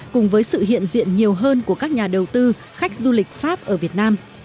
cùng với sự hiện diện nhiều hơn của các nhà đầu tư khách du lịch pháp ở việt nam